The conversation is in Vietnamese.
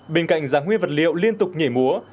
bên cạnh giá nguyên vật liệu liên tục nhảy múa